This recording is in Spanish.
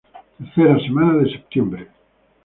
Tercera semana de septiembre.